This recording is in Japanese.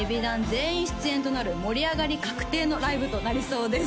全員出演となる盛り上がり確定のライブとなりそうです